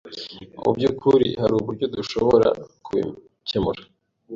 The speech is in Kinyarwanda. Mu byukuri, hari uburyo dushobora kubikemura .